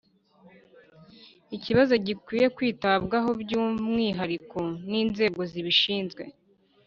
ikibazo gikwiye kwitabwaho by’umwihariko n inzego zibishinzwe